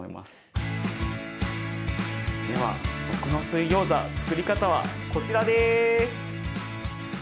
では僕の水ギョーザつくり方はこちらです！